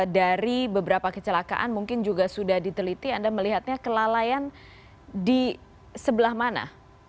dari beberapa kecelakaan mungkin juga sudah diteliti anda melihatnya kelalaian di sebelah mana